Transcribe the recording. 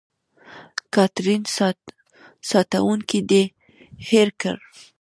کاترین: ساتونکی دې هېر کړ.